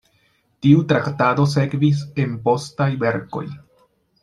Tiu traktado sekvis en postaj verkoj.